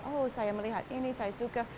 oh saya melihat ini saya suka